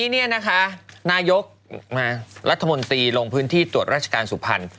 นี่นะคะนายกรัฐมนตรีลงพื้นที่ตรวจราชการสุพรรณ